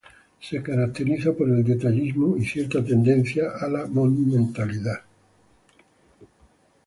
Se caracteriza por el detallismo y cierta tendencia a la monumentalidad.